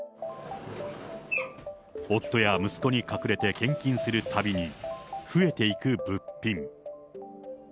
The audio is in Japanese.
夫や息子に隠れて献金するたびに、増えていく物品。